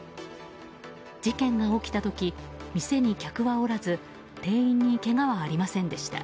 事件が起きた時、店に客はおらず店員にけがはありませんでした。